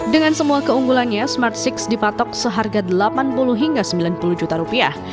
dengan semua keunggulannya smart enam dipatok seharga delapan puluh hingga sembilan puluh juta rupiah